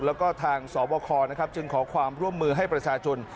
แล้วก็ทางสบคนะครับจึงขอความร่วมมือให้ประชาชน